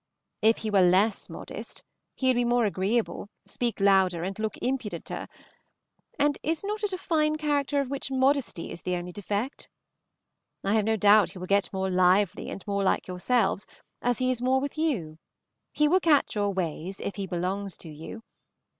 If he were less modest, he would be more agreeable, speak louder, and look impudenter; and is not it a fine character of which modesty is the only defect? I have no doubt he will get more lively and more like yourselves as he is more with you; he will catch your ways if he belongs to you.